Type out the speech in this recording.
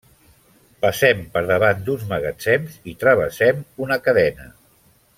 Passem per davant d'uns magatzems i travessem una cadena.